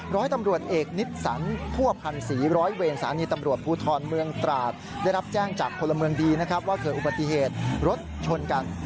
ร้อยตำรวจเอกนิดสันคั่วพันธ์ศรีร้อยเวรสถานีตำรวจภูทรเมืองตราดได้รับแจ้งจากพลเมืองดีนะครับว่าเกิดอุบัติเหตุรถชนกัน